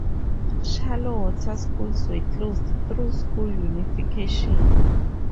Shallow Water schools were closed through school unification.